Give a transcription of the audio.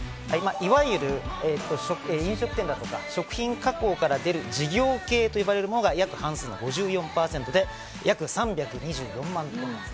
いわゆる飲食店、食品加工から出る事業系といわれるものが約半数の５４％、約３２４万トンです。